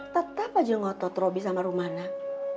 tetap aja ngotot robi sama rumah anak